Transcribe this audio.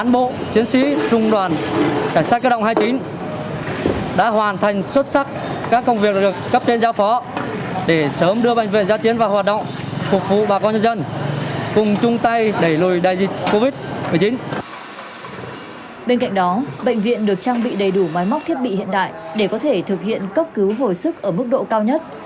bên cạnh đó bệnh viện được trang bị đầy đủ máy móc thiết bị hiện đại để có thể thực hiện cấp cứu hồi sức ở mức độ cao nhất